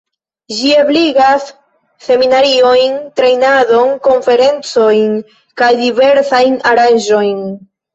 Ĝi ebligas seminariojn, trejnadon, konferencojn kaj diversajn aranĝojn.